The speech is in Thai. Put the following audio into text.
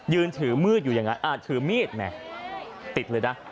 ยืนถือมีดอยู่อย่างนั้นถือมีดแหม่ติดเลยนะ